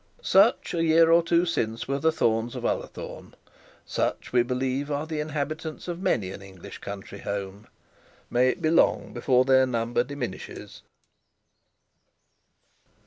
Such a year or two since were the Thornes of Ullathorne. Such, we believe, are the inhabitants of many an English country home. May it be long before their number diminishes.